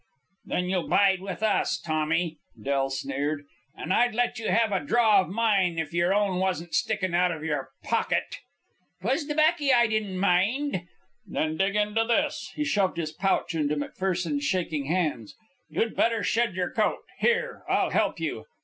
"Then you'll bide with us, Tommy," Del sneered. "And I'd let you have a draw of mine if your own wasn't sticking out of your pocket." "'Twas the baccy I'd in mind." "Then dig into this." He shoved his pouch into McPherson's shaking hands. "You'd better shed your coat. Here! I'll help you.